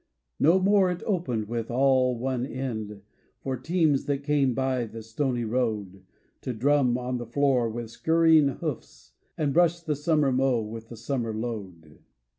No more it opened with all one end For teams that came by the stony road To drum on the floor with scurrying hoofs And brush the mow with the summer load.